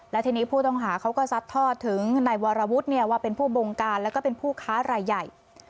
และทีนี้ผู้ต้องหาเขาก็ซัดทอดถึงไหนวรวุฒิว่าเป็นผู้บงการและผู้ค้าไหล่ใหญ่